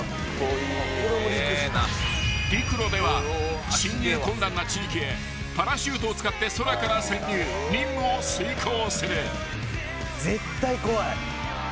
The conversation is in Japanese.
［陸路では侵入困難な地域へパラシュートを使って空から潜入任務を遂行する］